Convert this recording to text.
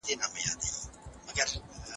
د قالين اوبدلو دود څنګه پراخ سو؟